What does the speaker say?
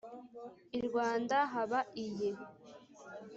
I Rwanda haba iyi